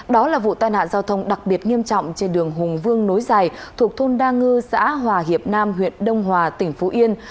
đó là vụ tai nạn giao thông đặc biệt nghiêm trọng trên đường hùng vương nối dài thuộc thôn đa ngư xã hòa hiệp nam huyện đông hòa tỉnh phú yên